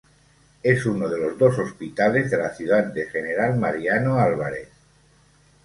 Es uno de los dos hospitales de la ciudad de General Mariano Álvarez.